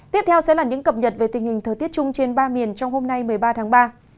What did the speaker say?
tiếp theo sẽ là những cập nhật về tình hình thời tiết chung trên ba miền trong hôm nay một mươi ba tháng ba